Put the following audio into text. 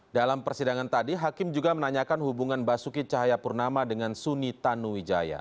dalam persidangan tadi hakim juga menanyakan hubungan basuki cahayapurnama dengan suni tanuwijaya